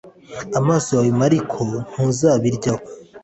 Amaso yawe m ariko ntuzabiryaho